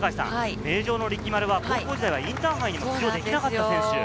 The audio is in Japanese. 名城の力丸は高校時代はインターハイに出場できなかった選手。